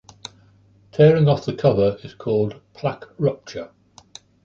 Tearing of the cover is called "plaque rupture".